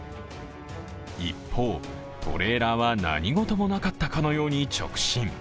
一方、トレーラーは何ごともなかったかのように直進。